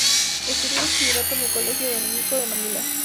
Estudió bachillerato en el colegio dominico de Manila.